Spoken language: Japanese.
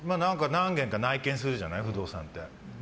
何軒か内見するじゃない不動産に行って。